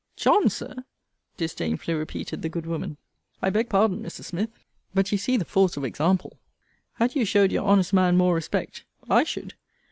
JOHN! Sir, disdainfully repeated the good woman. I beg pardon, Mrs. Smith: but you see the force of example. Had you showed your honest man more respect, I should.